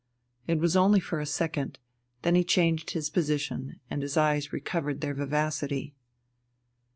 It was only for a second; then he changed his position, and his eyes recovered their vivacity.